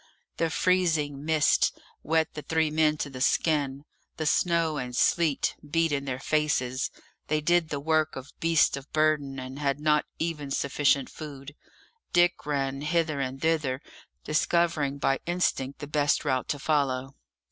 The freezing mists wet the three men to the skin; the snow and sleet beat in their faces; they did the work of beasts of burden, and had not even sufficient food. Dick ran hither and thither, discovering by instinct the best route to follow.